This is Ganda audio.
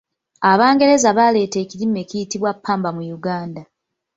Abangereza baleeta ekirime ekiyitibwa ppamba mu Uganda.